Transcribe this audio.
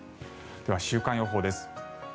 では週間予報です。